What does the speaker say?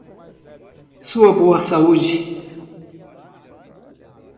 Sua boa saúde.